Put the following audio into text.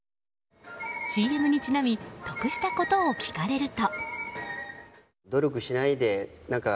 ＣＭにちなみ得したことを聞かれると。